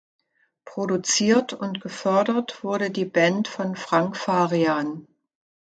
Produziert und gefördert wurde die Band von Frank Farian.